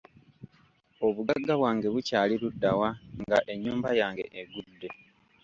Obuggaga bwange bukyali luddawa nga ennyumba yange eggudde?